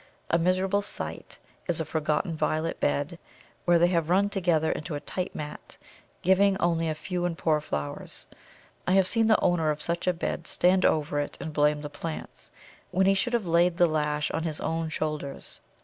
A miserable sight is a forgotten violet bed where they have run together into a tight mat, giving only few and poor flowers. I have seen the owner of such a bed stand over it and blame the plants, when he should have laid the lash on his own shoulders.